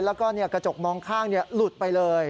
แล้วก็เนี่ยกระจกมองข้างเนี่ยหลุดไปเลย